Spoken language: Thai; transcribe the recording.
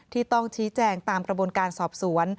ที่ต้องชี้แจงตามกระบวนการสอบสวน